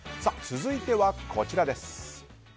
続いてはこちらです。